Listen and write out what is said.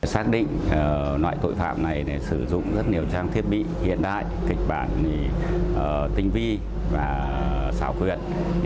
xác định loại tội phạm này sử dụng rất nhiều trang thiết bị hiện đại kịch bản tinh vi và xảo quyệt